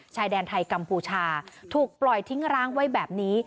ชายแดนไทยกัมพูชาถูกปล่อยทิ้งร้างไว้แบบนี้